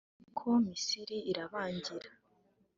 ariko Misiri irabangira